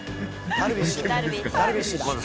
ダルビッシュだ」